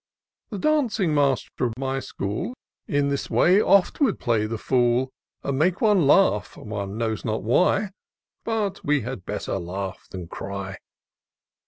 The dancing master of my school In this way oft will play the fool. And make one laugh — one knows not why — But we had better laugh than cry.